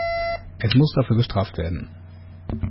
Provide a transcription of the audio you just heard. Es muss dafür bestraft werden.